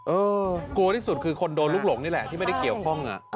กลัวที่สุดคือคนโดนลูกหลงนี่แหละที่ไม่ได้เกี่ยวข้อง